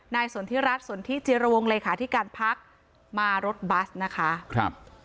สนทิรัฐสนทิจิรวงเลขาธิการพักมารถบัสนะคะครับ